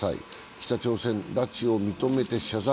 北朝鮮、拉致を認めて謝罪。